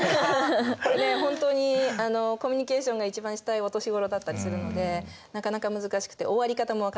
これ本当にコミュニケーションが一番したいお年頃だったりするのでなかなか難しくて終わり方もわかんないんですね。